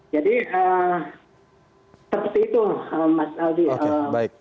jadi seperti itu mas aldi